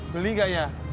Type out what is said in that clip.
beli gak ya